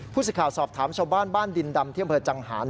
ผู้สิทธิ์ข่าวสอบถามชาวบ้านบ้านดินดำที่บริเวณจังหา